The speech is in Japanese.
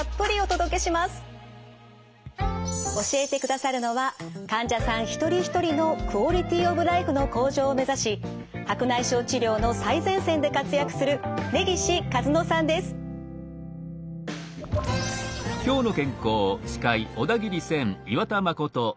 教えてくださるのは患者さん一人一人のクオリティー・オブ・ライフの向上を目指し白内障治療の最前線で活躍する根岸一乃さんです。